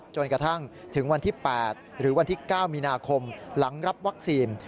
จนกระทั่งถึงวันที่๘หรือวันที่๙มีนาคมหลังรับวัคซีน